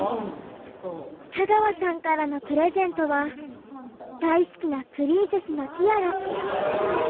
田川さんからのプレゼントは大好きなプリンセスのティアラ。